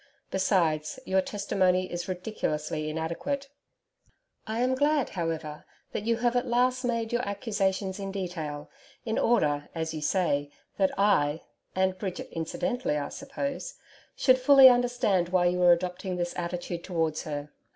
Besides, your testimony is ridiculously inadequate. I am glad, however, that you have at last made your accusations in detail in order, as you say that I and Bridget, incidentally, I suppose should fully understand why you are adopting this attitude towards her.